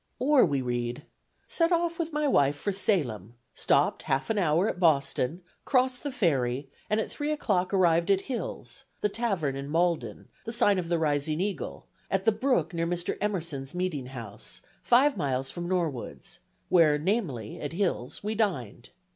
Or we read: "Set off with my wife for Salem; stopped half an hour at Boston, crossed the ferry, and at three o'clock arrived at Hill's, the tavern in Malden, the sign of the Rising Eagle, at the brook near Mr. Emerson's meeting house, five miles from Norwood's: where, namely, at Hill's, we dined.